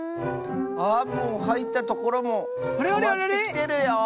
あもうはいったところもかわってきてるよ！